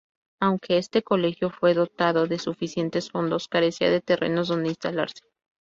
Aunque este colegio fue dotado de suficientes fondos, carecía de terrenos donde instalarse.